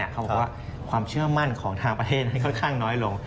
เขาบอกว่าความเชื่อมั่นของทางประเทศให้ค่อนข้างน้อยลง